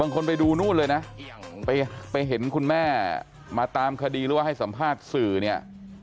คนไปดูนู่นเลยนะไปเห็นคุณแม่มาตามคดีหรือว่าให้สัมภาษณ์สื่อเนี่ย